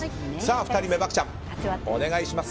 ２人目漠ちゃん、お願いします。